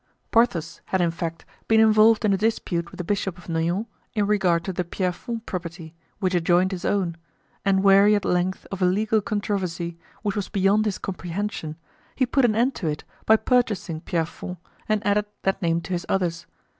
Porthos had, in fact, been involved in a dispute with the Bishop of Noyon in regard to the Pierrefonds property, which adjoined his own, and weary at length of a legal controversy which was beyond his comprehension, he put an end to it by purchasing Pierrefonds and added that name to his others.